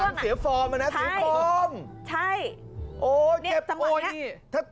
มันเสียฟอร์มอ่ะนะเสียฟอร์มใช่โอ้เจ็บหมด